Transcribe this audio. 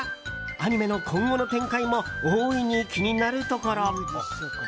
アニメの今後の展開も大いに気になるところ。